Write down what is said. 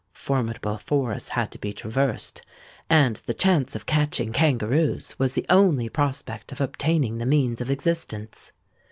Formidable forests had to be traversed; and the chance of catching kangaroos was the only prospect of obtaining the means of existence.